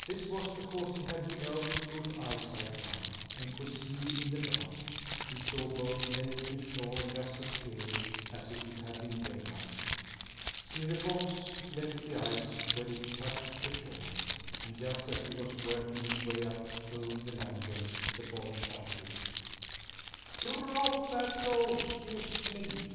This was because he had the elf's good eyesight now, and could see in the dark. He saw both lake and shore just as clearly as if it had been daylight. Smirre Fox left the ice where it touched the shore. And just as he was working his way up to the land edge, the boy shouted: "Drop that goose, you sneak!"